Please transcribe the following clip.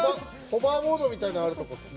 ホバーモードみたいなのがあるところ？